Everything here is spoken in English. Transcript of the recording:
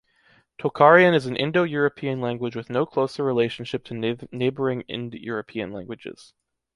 Tocharian is an Indo-European language with no closer relationship to neighboring Ind-European languages.